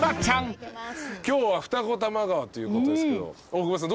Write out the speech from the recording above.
今日は二子玉川ということですけど大久保さん